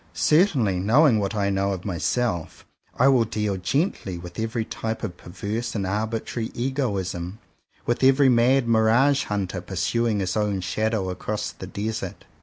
*' Certainly, knowing what I know of myself, I will deal gently with every type of perverse and arbitrary egoism, with 172 JOHN COWPER POWYS every mad mirage hunter pursuing his own shadow across the desert.